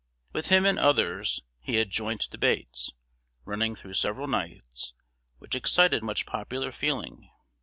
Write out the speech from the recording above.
With him and others he had joint debates, running through several nights, which excited much popular feeling.